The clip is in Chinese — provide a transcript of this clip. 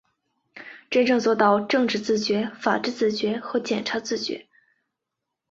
真正做到政治自觉、法治自觉和检察自觉